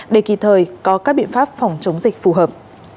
để kịp thời có các biện pháp phòng chống dịch phù hợp